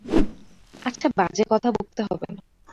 আচ্ছা, বাজে কথা বকতে হবে না।